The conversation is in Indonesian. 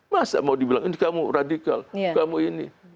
masa mau dibilang ini kamu radikal kamu ini